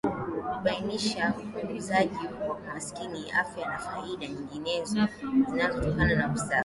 Kubainisha upunguzaji wa umaskini afya na faida nyinginezo zinazotokana na usafi